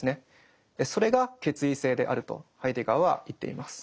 それが「決意性」であるとハイデガーは言っています。